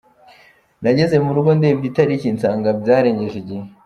Nageze mu rugo ndebye itariki nsanga byarengeje igihe.